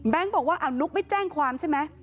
บอกว่านุ๊กไม่แจ้งความใช่ไหม